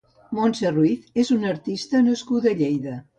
Montse Ruiz és una artista nascuda a Lleida.